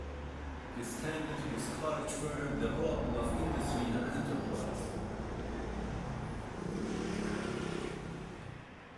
This tended to discourage further development of industry and enterprise.